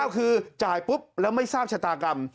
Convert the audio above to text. คือจ่ายปุ๊บแล้วไม่ทราบชะตากรรม